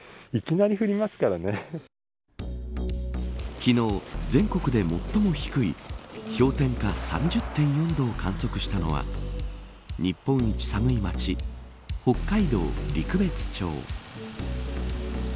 昨日全国で最も低い氷点下３０．４度を観測したのは日本一寒い町北海道陸別町。